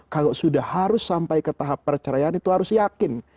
kalau sudah harus sampai ke tahap perceraian itu harus yakin